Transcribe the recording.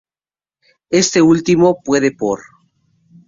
Este último puede, por.